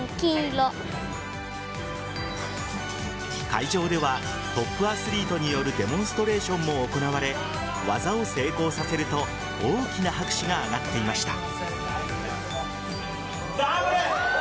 会場ではトップアスリートによるデモンストレーションも行われ技を成功させると大きな拍手が上がっていました。